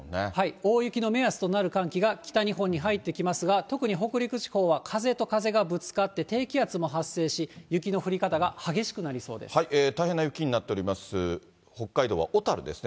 大雪の目安となる寒気が北日本に入ってきますが、特に北陸地方は風と風がぶつかって、低気圧も発生し、雪の降り方が激しくな大変な雪になっております、北海道は小樽ですね。